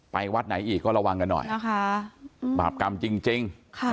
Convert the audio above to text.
วัดไหนอีกก็ระวังกันหน่อยนะคะบาปกรรมจริง